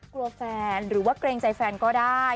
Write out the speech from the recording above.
แฟนหรือว่าเกรงใจแฟนก็ได้